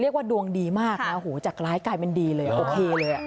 เรียกว่าดวงดีมากนะโหจากร้ายกลายเป็นดีเลยโอเคเลย